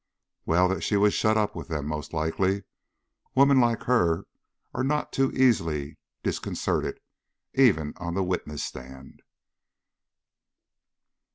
"Well, that she was shut up with them, most likely. Women like her are not to be easily disconcerted even on the witness stand."